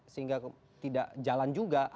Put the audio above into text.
sehingga tidak jalan juga